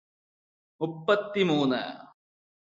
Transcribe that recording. മുപ്പത്തിമൂന്ന്